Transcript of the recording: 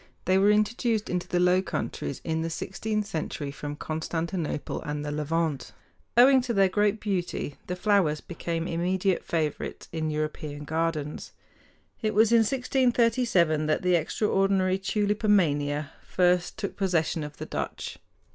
They were introduced into the Low Countries in the sixteenth century from Constantinople and the Levant. Owing to their great beauty the flowers became immediate favorites in European gardens. It was in 1637 that the extraordinary tulipomania first took possession of the Dutch.